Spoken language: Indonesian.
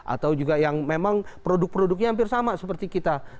atau juga yang memang produk produknya hampir sama seperti kita